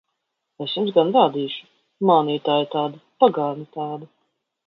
Es jums gan rādīšu! Mānītāji tādi! Pagāni tādi!